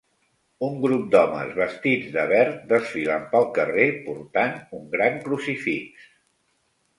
Un grup d'homes vestits de verd desfilen pel carrer portant un gran crucifix.